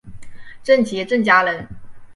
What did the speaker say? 郑琦郑家人。